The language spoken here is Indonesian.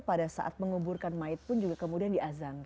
pada saat menguburkan maid pun juga kemudian diazankan